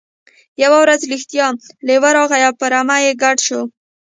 یوه ورځ رښتیا لیوه راغی او په رمې ګډ شو.